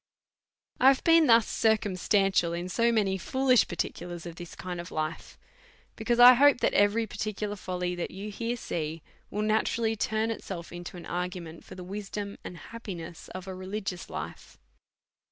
I have been thus circumstantial in so many foolish particulars of this kind, because I hope that every par ticular folly that you see here will naturally turn it self into an argument for the wisdom and happiness of a religious life.